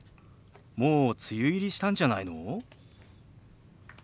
もう梅雨入りしたんじゃないの？